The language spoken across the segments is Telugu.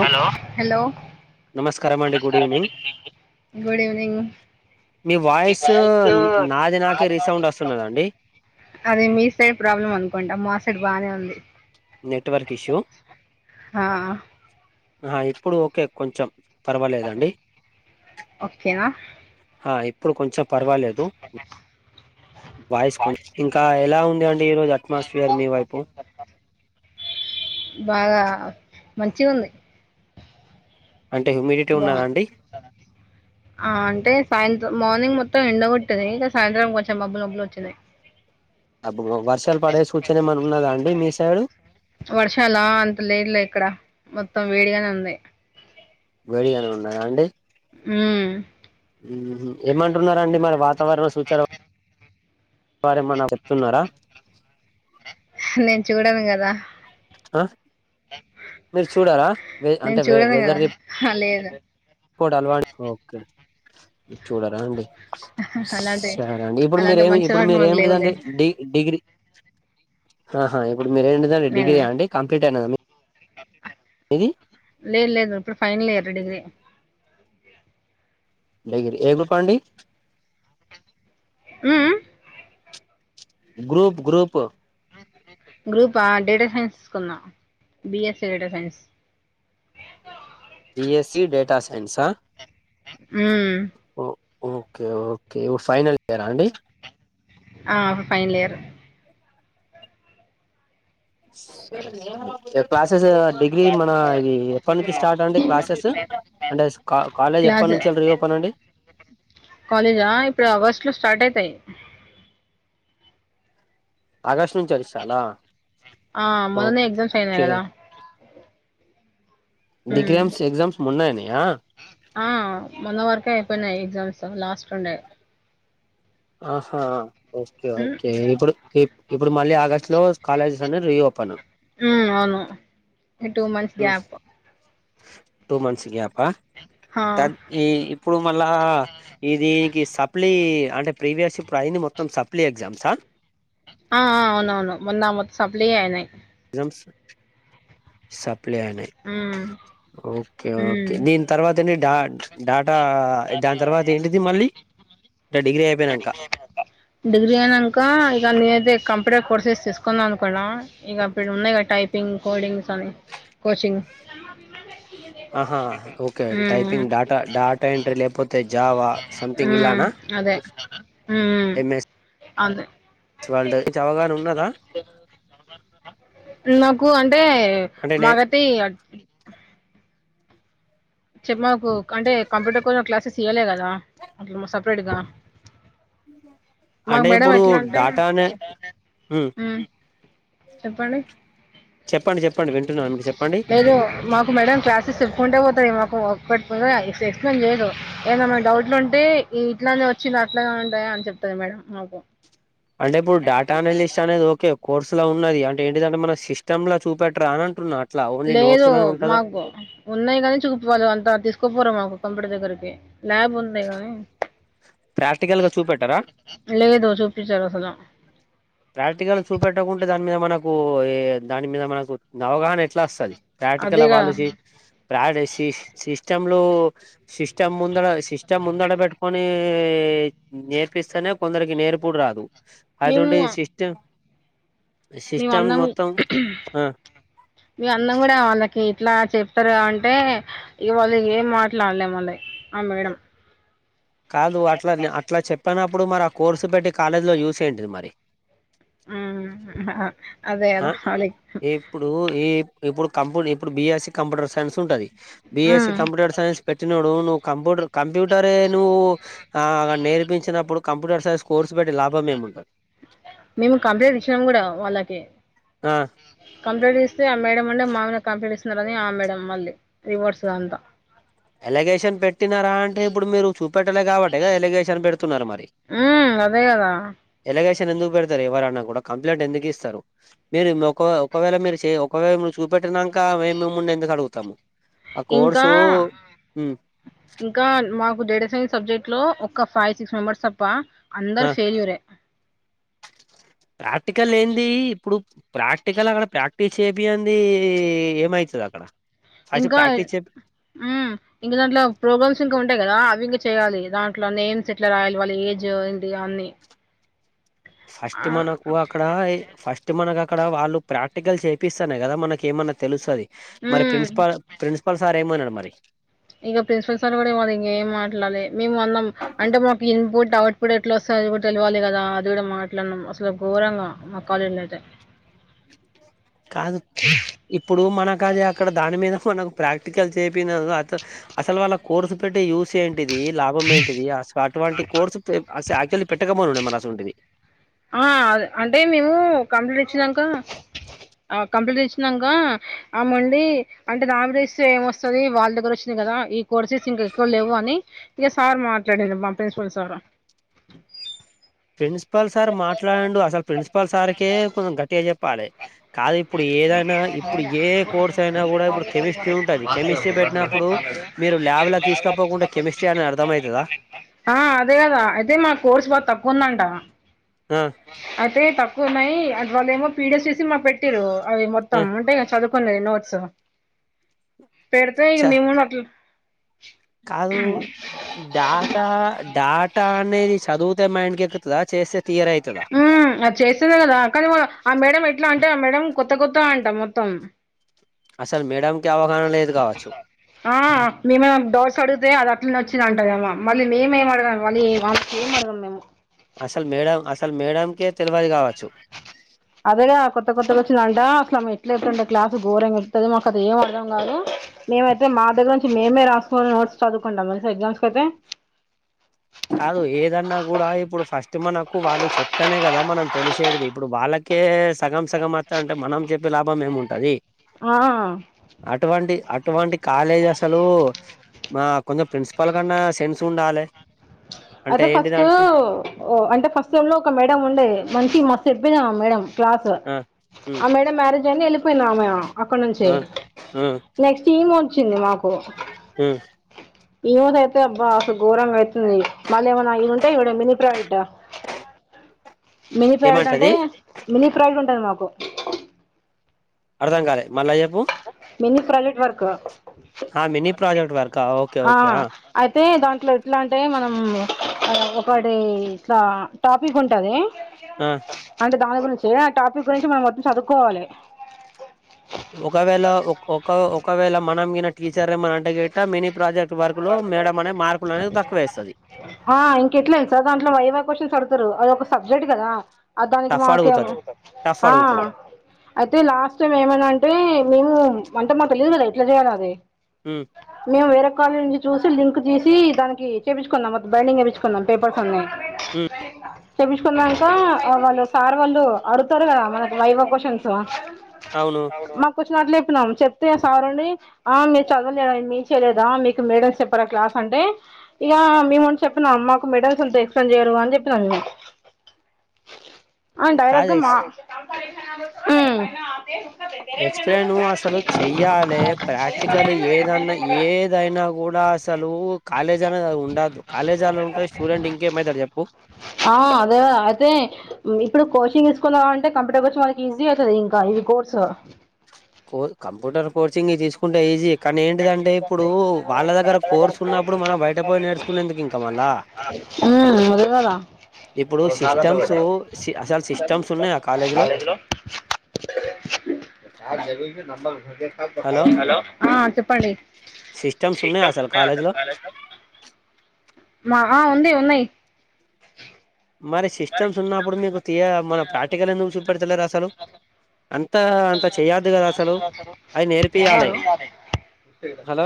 హలో హలో నమస్కారం అండి గుడ్ ఈవినింగ్ గుడ్ ఈవెనింగ్ మీ వయిస్ నాకే నాది నాకె రీసౌండ్ వినపడుతుంది వస్తున్నదండి మేడం అది మీ సైడ్ ప్రాబ్లమ్ అనుకుంటా మా సైడ్ బానే ఉంది నెట్వర్క్ ఇష్యూ ఆ ఆ ఇప్పుడు ఓకే కొంచెం పర్వాలేదండి ఓకేనా హ ఇప్పుడు కొంచెం పర్వాలేదు వాయిస్ కొంచం ఇంకా ఎలా ఉంది అండి ఈ రోజు అట్మాస్ఫియర్ మీ వైపు బాగా మంచిగ ఉంది అంటే హ్యూమిడిటీ బా ఉన్నదా అండి ఆ అంటే సాయంత్రం మార్నింగ్ మొత్తం ఎండగొట్టిది ఇక సాయంత్రం కొంచెం మబ్బులు మబ్బలు వచ్చినాయి అబ్ వర్షాలు పడే సూచన ఏమన్నా ఉన్నదా అండి మీ సైడు వర్షాల అంత లేదులే ఇక్కడ మొత్తం వేడిగానే ఉంది వేడిగానే ఉన్నదా ఊ ఏమంటున్నరా అండి మరి వాతావరణ సూచాన వారేమనకు చెప్తున్నారా నేను చూడను కదా ఆ? మీరు చూడరా నేను అంటే చూడను కదా వెదర్ హా, లేదు ల్వా ఓకే చూడ అండి అలాంటి సరే అండి ఇప్పుడు అలాంటి మీరేమి మంచి ఇప్పుడు అలవాట్లు మీర మనకు లేవులే ఏమిటిదండి డిగ్రీ ఆహా ఇప్పుడు మీర ఏంటిదండి నేను డిగ్రీ అండి కంప్లీట్ అయినద లేదు లేదు ఇప్పుడు ఫైనల్ ఇయర్ డిగ్రీ ఏగిరి ఏగ్రూప్ అండి ఉ ఉ గ్రూప్ గ్రూప్ గ్రూప్ ఆ డేటా సైన్స్ తీసుకున్నా BSA data science BSc data సైన్సా ఉమ్ ఓ ఓకే ఓకే ఫైనల్ ఇయరా అండి ఫైనల్ ఇయరు క్లాస్ కె డిగ్రీ మన ఇది ఎప్పటి నుంచి స్టార్ట్ అండి క్లాసెస్ అంటే కాలేజ్ ఎప్పటి క్లాస్ నుంచి రో పనండి కాలేజా ఇప్పుడు ఆగస్టులో స్టార్ట్ అయితాయి ఆకాష్ట్ నుంచి అరిస్తాలా ఆ మొన్ననే ఎగ్జామ్స్ అయినాయి ఓకే కదా మ్మ్ డిగ్రీమ్స్ ఎగ్జామ్స్ ఉన్నాయనియా ఆ మొన్న వరకే అయిపోయినాయి ఎగ్జామ్స్ లాస్ట్ ఉండే ఆహా ఓకే మ్మ్ ఓకే ఇప్పుడు ఇప్పుడు మళ్ళీ ఆగస్టు లో కాలేజెస్ అని రీఓపన్ మ్మ్ అవును two months gap two months gap ఆ ఈ ఇప్పుడు మళ్ళా ఇ దీనికి సప్లీ అంటే ప్రీవియస్ ఇప్పుడు అయింది మొత్తం సప్లీ ఎగ్జామ్సా ఆ అవునవును మొన్న మకి సప్లీ అయినయి సప్లి అయినయ్ మ్మ్ ఓకే ఓకే మ్మ్ దీని తర్వాతనే డాట్ డాటా దాని తర్వాత ఏంటిది మళ్ళీ అంటే డిగ్రీ అయిపోయినంక నేనింక ఇగ న ఇప్పుడే కోర్సెస్ తీసుకుందాం అను కూడా ఇక అప్పుడు ఉన్నాయి టైపింగ్ కోడింగ్స్ అని కోచింగ్ ఆహా ఓకే మ్మ్ టైపింగ్ డాటా డాటా ఎంట్రీ లేకపోతే జావా సంథింగ్ మ్మ్ ఇలానా అదే హ్మ్ ఎంఎస్ అదే వర్డ్ అవగాహన ఉన్నదా నాకు అంటే అంటే నే మాగతి చెప్ప మాకు అంటే కంప్యూటర్ కోసం క్లాసెస్ ఇయాల కదా అట్ సపరేట్ గా మాకు అంటే మేడం ఇప్పుడు ఎట్లా అంటే డాటానే హ్మ్ చెప్పండి చెప్పండి చెప్పండి వింటున్నాను మీకు చెప్పండి లేదు మాకు మేడం క్లాస్ చెప్పుకుంటా పోతేఎ వర్క్ పెడుతుంద ఎక్స్ప్లెయిన్ చేయదు ఏమైనా డౌట్లు ఉంటే ఈ ఇట్లానే వచ్చింది అట్లాగా ఉంటాయా అన్ని చెప్తది మేడం మాకు అంటే ఇప్పుడు డేటా అనలిస్ట్ అనేది ఓకే కోర్సు లో ఉన్నది అంటే ఏంటింటే మన సిస్టమ్ లో చూపెటరా అని అంటున్నా అట్లా ఓన్లీ నోట్స్ లేదు లోనే ఉంటదా మాకు ఉన్నాయి కాని చూపిపోవాలి అంత తీసుకోపోరు మాకు కంప్యూటర్ దగ్గరికి ల్యాబ్ ఉంది కానీ ప్రాక్టికల్ గా చూపెట్టారా లేదు చూపించారు అసలు ప్రాక్టికల్ చూపెట్టకుంటే దాని మీద మనకు దాని మీద మనకు ఆవగాహన ఎట్లా వస్తుంది ప్రాక్టికల్ అదేగా వాళ్ళజీ ప్రడ సి సిస్టమ్లు సిస్టమ్ ముందరా సిస్టమ్ ముందడ పెట్టుకొని నేర్పిస్తానే కొందరికి నేర్పుడు రాదు నిమ్ అటువంటి సిస్టమ్ మేము సిస్టమ్ అందం మొత్తం ఆ మీ అందం కూడా వాళ్ళకి ఇట్లా చెప్తారు అంటే ఇగవాళ్ళు ఏం మాట్లాడలేము మళ్ళ ఆ మేడం కాదు అట్లా అట్లా చెప్పినప్పుడు మరి ఆ కోర్సు పెట్టి కాలేజీలో యూసేంటిది మరి అదే ఆ కదా వాళ్ళకి ఇప్పుడు ఈ ఇప్పుడు కంపూ ఇప్పుడు బిఎస్సి కంప్యూటర్ సైన్స్ ఉంటది బిఎస్సి మ్మ్ కంప్యూటర్ సైన్స్ పెట్టినడు్వు కంప్యూటర్ కంప్యూటరే నువ్వు ఆ నేర్పించినప్పుడు కంప్యూటర్ సైన్స్ కోర్స్ పెట్టి లాభం ఏమి ఉంటది మేము కంప్లైంట్ ఇచ్చినాం కూడా వాళ్ళకి ఆ కంప్లైంట్ తి ఆ మేడ వల్లే మామగా కంప్లీట్ ఇస్తున్నారుని ఆ మేడ మళ్ళీ రివార్డ్స్గా అంతా ఎలిగేషన్ పెట్టినారా అంటే ఇప్పుడు మీరు చూపెట్టలే కాబట్టి ఎలిగేషన్ పె న్నారు మరి మ్మ్, అదే కదా ఎలాగేషన్ ఎందుకు పెడతారు ఎవరన్నాకు కంప్లైంట్ ఎందుకు ఇస్తారు మీరు ఒక ఒకవేళ మీరు చే ఒకవేళ నువ్ చూపెట్టినాక మేము ముండే ఎందుకు అడుగుతాము ఆ ఇంకా కోర్సు ఉమ్ ఇంకా మాకు డేట సైన్స్ సబ్జెక్ట్ లో ఒక ఫైవ్ సిక్స్ మెంబర్స్ తప్ప అందరు ఆ ఫెయిల్యూరే ప్రాక్టికల్ ఏంది ఇప్పుడు ప్రాక్టికల్ అక్కడ ప్రాక్టీస్ చేపింది ఏమైతది అక్కడ ఫస్ట్ ఇంకా ప్రాక్టీస్ చే హ్మ్ ఇంకా దాంట్లో ప్రాబ్లమ్స్ ఇంకా ఉంట్ ఉంటాయి కదా అవి ఇంక చేయాలి దాంట్లో నేమ్స్ ఎట్లా రాయాలి వాళ్ళ ఏజ్ ఏంటి అన్ని ఫస్ట్ మనకు అక్కడ ఫస్ట్ మనకు అ అక్కడ వాళ్ళు ప్రాక్టికల్ చేపిస్తన్నా కదా మనకి ఏమన్న తెలుస్తుంది మరి మ్మ్. ప్రిన్సిపల్ ప్రిన్సిపల్ సరేమోనండి మరి ఇక ప్రిన్సిపల్ సార్ కూడా ఇంక ఏం మాట్లాలే మేము అన్నాం అంటే మాకు ఇన్పుట్ అవుట్ పట్ ఎట్లా వస్తుంది అది కూడా తెలివాలి కదా అది కూడా మాట్లాడన్నాం అసలు ఘోరంగా మాక్కళ అయితే కాదు. ఇప్పుడు మనకది అక్కడ దాని మీద మనకు ప్రాక్టికల్ చేపినను అట్ల అసల్ వాళ్ళక్ కోర్సు పెట్టే యూస్ ఏంటి దీ లాభం ఏంటిది అస అటువంటి కోర్సు అస ఆక్చువల్లి పెట్టకపోనుండే మర్ అసంటిది ఆ అంటే మేము కంప్లీ ఇచ్చినంకా ఆ కంప్లీట్ ఇచ్చినంక ఆ మొండీ అంటే రాంరేష్తో ఏమొస్తది వాళ్ళ దగ్గర్ వచ్చినయి గదా ఈ కోర్సెస్ ఇంకా ఎక్కు లెవ్వు అని ఇగ సార్ మాట్లాడిండు మా ప్రిన్సిపల్ సార్ ప్రిన్సిపల్ సార్ మాట్లాడిండు అసల్ ప్రిన్సిపల్ సార్కే కొంచం గట్టిగా చెప్ ప్పాలె కాదు ఇప్పుడు ఏదైనా ఇప్పుడు ఏ కోర్స్ అయినా గుడా ఇప్పుడు కెమిస్ట్రీ ఉంటంది కెమిస్ట్రీ పె పెట్టినప్పుడు మీరు ల్యాబ్ల తీస్కపోకుంటే కెమిస్ట్రీ అని అర్థం అయితదా ఆ అదే కదా అయితే మా కోర్స్ బాగా తక్కోఉందంట ఆ అయితే తక్కువ ఉన్నాయి అట్ వాల్లేమో పీడిఎఫ్ చేసి మాక్ పెట్టింరు అవి మొత్తం ఆ ఉంటాయి చదువుకునేది నోట్స్ పెడ్తే చ ఇగ మేం గుడ అట్ల కాదు డాటా డాటా అనేది సదువుతే మైండ్ కెక్కుతదా మ్ అద్ చేస్తేనే కదా కనీ మనం ఆ మేడం ఎ ఎట్ల అంటే ఆ మేడం కొత్త కొత్త అంటా మొత్తం. అసలు మేడం కి అవగాహన లేదు కావచ్చు ఆ మేం ఏమన్న డౌట్స్ అడుగుతే అద నుంచి అచ్చింద్ అంటదేమ మళ్ళీ నేమ్ ఏం అడగాలె మళ్ళీ వాళ్ళక్ ఏం అర్థం కాదు. అసల్ మేడం అసల్ మేడంకే తెల్వది కావచ్చు. అదేగా కొత్త కొత్తగొచ్చిందంటా అట్లా ఎట్లేటుండే క్లాస్ ఘోరం చెప్తది మాక్ అది ఏం అర్థం కాదు. మేమైతే మా దగ్గర్ నుంచి మేమే రాస్కొని నోట్స్ చదువుకుంటాం తెల్సా ఎగ్జామ్స్ కైయితే కాదు ఏదన్నా గుడా ఇప్పుడు ఫస్ట్ మనకు వాళ్ళు చెప్తేనే కదా మనం తెలిసేట్ది ఇప్పుడు వాళ్ళకి కే సగం సగం అత్త అంటే మనం చెప్పే లాభం ఏం ఉంటది. ఆ అటువంటి అ అటువంటి కాలేజ్ అసలు మా కొంచం ప్రిన్సిపల్ కన్నా సెన్స్ ఉండాలె. అయితే ఫస్ట్ అంటే ఫస్ట్ టైమ్లో ఒక మేడం ఉండే మంచి మ చెప్పినా మేడం క్లాస్ ఆ ఉమ్ ఆ మేడం మ్యారేజ్ అయింది ఎళ్ళిపోయింది ఆమే అక్కడ్నుంచి ఆ ఆ నెక్స్ట్ ఈమో చ్చింది మాకు ఆ ఈరోజైతే అబ్బా అసల్ ఘోరం అయి మళ్ళ ఏమైన్నా అయి ఉంటే ఇవిడ మిని ప్రవేట మినీ ప్రైవేట్ అంటే ఏమంటది మినీ ప్రైజ్ ఉంటది మాకు అర్థం కాలే మళ్ళ చెప్పు. మినీ ప్రాజెక్ట్ వర్క్ ఆ మినీ ప్రాజెక్ట్ వర్కా ఓకే ఆ ఓకే అయితే దాంట్లో ఎట్లా అంటే మనం మ్ ఒకటి ఇట్లా టాపిక్ ఉంటది ఆ అంటే దాని గురించి ఆ టాపిక్ గురించి మనం మొత్తం చదువుకోవాలి. ఒకవేళ ఒ ఒక ఒకవేళ మనం గిన టీచర్ ఏమన అంటే గిట్ట మినీ ప్రాజెక్ట్ వర్క్ లో మేడం అనే మార్కులు అనేది తక్కువ వేస్తది ఆ ఇంకెట్ల తెల్సా దాంట్లో వైవా క్వశ్చన్ అడు తరు అది ఒక సబ్జెక్ట్ కదా అద్ దానికి టఫ్ మాకేం అడుగుతది టఫ్ ఆ అడుగుతది అయితే లాస్ట్ టైమ్ ఏమన్నా అంటే మేము అంటే మాకు తెలీదు కదా ఎట్లా చేయాల్ అది మ్ మేం వేరే కాలేజ్ నుంచి చూసి లింక్ చేసి దానికి చేపిచుకున్నాం మో బైండింగ్ ఏపిచుకుంన్నాం పేపర్స్ అన్ని ఉ చెపించుకున్నాక వాళ్ళు సార్ వాళ్ళు అడుగుతారు కదా మనకు వైవ క్వశ్చన్స్ అవును కొచ్చినట్లు చెప్పినన్నాము చెప్తే సార్ండి ఆ మీరు చదవలేదు మీ చేయలేదా మీకు మేడ చెప్పారా క్లాస్ అంటే ఇక మేముం చెప్పినం మాకు మెడల్స్ ఎంత ఎక్స్ప్లెయిన్ చేయరు అని చెప్పినాంము [inaudible] ఆ డైరక్ కాదు మా ఎక్స్ మ్మ్ ఎక్స్ప్లెయిన్ అసలు చెయ్యాలి ప్రాక్టికల్ ఏదన్నా ఏదైనా కూడా అసలు కాలేజ్ అనే ఉండద్దు కాలేజ్ అనే ఉంటే స్టూడెంట్ ఇంకేమవుతాడు చెప్పు ఆ అదే అయితే ఇప్పుడు కోచింగ్ తీసుకున్నా అంటే కంప్యూటర్ కోచిన్నవాళ్లకి ఈజీ అవుతుంది ఇంకా ఇవి కోర్సు కో కంప్యూటర్ కోచింగ్ తీసుకుంటే ఈజీ కానీ ఏంటిదంటే ఇప్పుడు వాళ్ళ దగ్గర కోర్సు ఉన్నప్పుడు మనం బయట పోయి నేర్చుకునేందుకు ఇంకా మళ్ళా ఆ అదేకదా ఇప్పుడు సిస్టమ్స్ అసలు సిస్టమ్స్ ఉన్నాయా కాలేజీ లో [inaudible] హలో ఆ చెప్పండి సిస్టమ్స్ ఉన్నాయా సిస్టమ్ అసలు ఉన్నాయ్ కాలేజ్ లో [unintelligible] మా ఆ ఉంది ఉన్నాయి మరి సిస్టమ్స్ ఉన్నప్పుడు మీకు తియ మల ప్రాక్టికల్ ఎందుకు చూపెడతలే అసలు అంత అంత చెయద్దు కదా అసలు అవి నేర్పియాలి హలో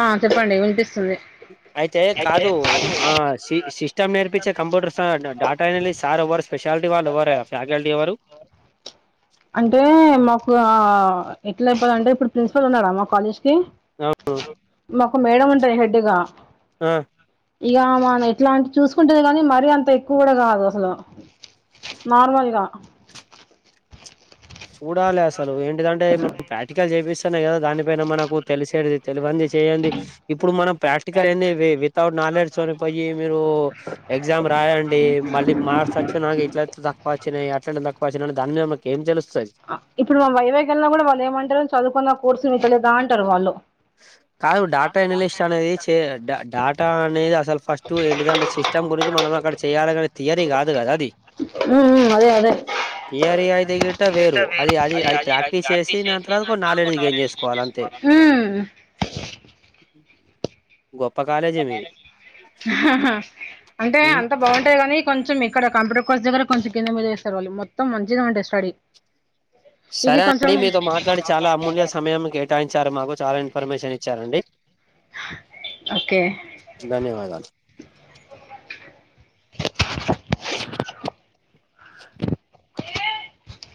ఆ చెప్పండి వినిపిస్తుంది అయితే కాదు ఆ సిస్టమ్ నేర్పించే కంప్యూటర్స్ డడాటా సార్వర్ అంటే మాకు ఎట్లా చెప్పాలంటే ఇప్పుడు ప్రిన్సిపల్ ఉన్నారా మా కాలేజ్ కి ఆ మా ఒక మేడ ఉంటాది హెడ్గా ఆ ఇక ఆమె ఎట్లా అంటె చూసుకుంటేది కానీ మరీ అంత ఎక్కువ కూడా కాదు అసలు నార్మల్గా చూడాలి అసలు ఏంటిదంటే మనం ప్రాక్టికల్ చేయిపిస్తున్నానే కదా దానిపైన మకు తెలిసేది తెలింది తెలింది ఇప్పుడు మనం ప్రాక్టికల్ ఏ వితౌట్ నాలెడ్జ్ కొనిపోయి మీరు ఎగ్జామ్ రాయండి మళ్ళీ మార్స్ వచ్చిన నాకు ఇట్ల తక్కువ వచ్చినయి ఎట్లాంటి తక్కువ వచ్చినాడి దాని మీద మాకు ఏం తెలు ఇప్పుడు మా వైవై వెళ్ళిన కూడా వాళ్ళు ఏమంటారు చదువుకున్న కోర్సు మీ తెలేదా అంటారు వాళ్ళు కాదు డేటా ఎనలిస్ట్ అనేది డేటా అనేది అసలు ఫస్ట్ ఏంటిదంటే సిస్టమ్ గురించి మనం అక్కడ చెయాలనే థియరీ కాదు కదా అది ఉ అదే అదే థియరీ అది గటా వేరు అది అది అది ప్రాక్టీస్ చేసి దాని తర్వాత ఒక నాలెడ్జ్ గెయిన్ చేసుకోవాలి అంతే చేసుకోవాలి హ్మ్ గొప్ప కాలేజే మీది అంటే ఉమ్ అంత బాగుంటాది కని కానీ కొంచెం ఇక్కడ కంప్యూటర్ కోర్స్గ్గ కొెం కింద మీద వస్తారుళ్ళు మొత్తం మంచిగా ఉంటది స్టడీ ఇది సరే అండి కొంచెం మీతో మాట్లాడి చాలా అమూల్య సమయం కేటాయించారు మాకు చాలా ఇన్ఫర్మేషన్ ఇచ్చారండి ఓకే ధన్యవాదాలు